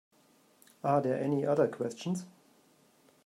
Are there any other questions?